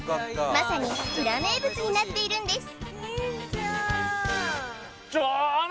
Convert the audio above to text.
まさにウラ名物になっているんです